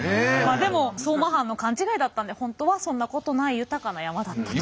でも相馬藩の勘違いだったんで本当はそんなことない豊かな山だったと。